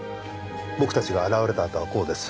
僕たちが現れたあとはこうです。